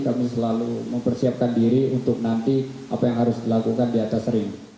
kami selalu mempersiapkan diri untuk nanti apa yang harus dilakukan di atas ring